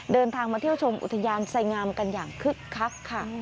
เดินทางมาเที่ยวชมอุทยานไสงามกันอย่างคึกคักค่ะ